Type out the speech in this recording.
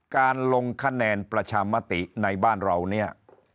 การลงคะแนนประชามติในบ้านเราเนี่ย